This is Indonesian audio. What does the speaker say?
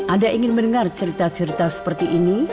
anda ingin mendengar cerita cerita seperti ini